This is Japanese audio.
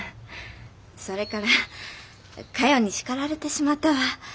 それからかよに叱られてしまったわ。